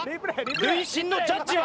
塁審のジャッジは。